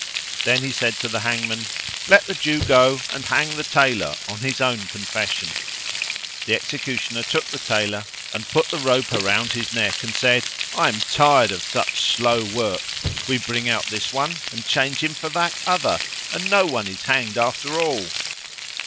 Then he said to the hangman, "Let the Jew go and hang the Tailor on his own confession." The executioner took the Tailor and put the rope around his neck and said, "I am tired of such slow work: we bring out this one and change him for that other, and no one is hanged after all!"